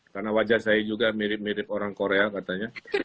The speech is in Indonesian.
karena wajah saya juga mirip mirip orang korea katanya